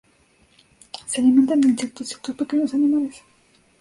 Se alimentan de insectos y otros pequeños animales.